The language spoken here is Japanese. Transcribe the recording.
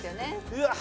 うわっ